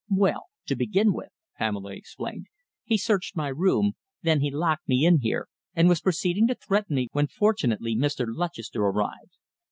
"Well, to begin with," Pamela explained, "he searched my room, then he locked me in here, and was proceeding to threaten me when fortunately Mr. Lutchester arrived."